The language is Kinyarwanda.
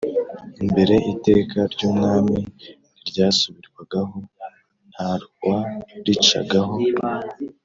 mbere iteka ry'umwami ntiryasubirwagaho, ntawaricagaho